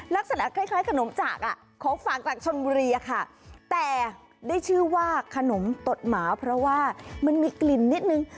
ลักษณะคล้ายขนมจากของฝากจากชนบุรีอะค่ะแต่ได้ชื่อว่าขนมตดหมาเพราะว่ามันมีกลิ่นนิดนึง